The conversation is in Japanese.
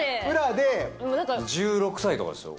１６歳とかですよ。